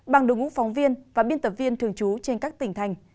bằng đồng ngũ phóng viên và biên tập viên thường trú trên các tỉnh thành